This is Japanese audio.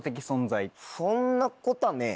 そんなこたぁねえ。